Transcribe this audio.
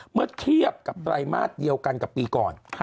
เมื่อเทียบกับไตรมาสเดียวกันกับปีก่อน